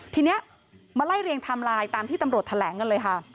ทีนี้มาไล่เรียงไทม์ไลน์ตามที่ตำรวจแถลงกันเลยค่ะ